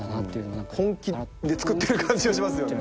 本気で作ってる感じがしますよね。